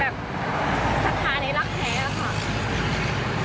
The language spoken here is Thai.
แบบสัตว์ภาระรักแท้